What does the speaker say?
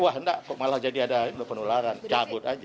bah enggak malah jadi ada penularan cabut aja